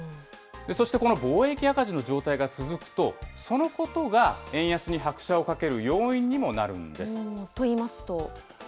そしてこの貿易赤字の状態が続くと、そのことが、円安に拍車をかといいますと？